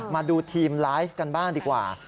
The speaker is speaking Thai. มาดูทีมไลฟ์กันบ้างดีกว่า